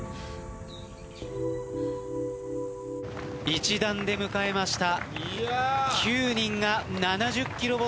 一団で迎えました。